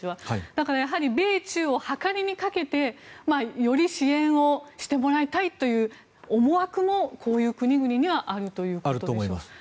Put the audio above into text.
だから、米中をはかりにかけてより支援をしてもらいたいという思惑もこういう国々にはあるということでしょうか。